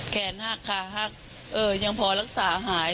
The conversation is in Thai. แขนหักขาหักยังพอรักษาหาย